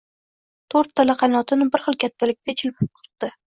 To’rttala qanotini bir xil kaltalikda chilpib qirqdi.